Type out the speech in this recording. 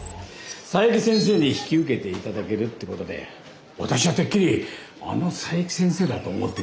佐伯先生に引き受けていただけるってことで私はてっきりあの佐伯先生だと思ってたんですよ。